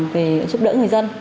về giúp đỡ người dân